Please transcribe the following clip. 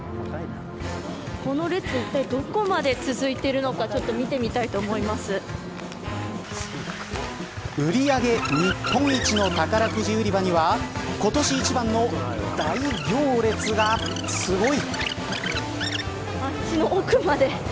この列、いったいどこまで続いてるのか売り上げ日本一の宝くじ売り場には今年一番の大行列がすごい。